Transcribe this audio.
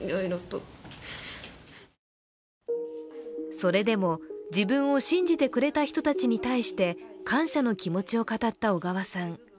それでも自分を信じてくれた人たちに対して感謝の気持ちを語った小川さん。